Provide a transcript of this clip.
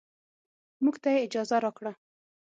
موږ ته يې اجازه راکړه.